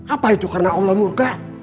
apa itu karena allah murka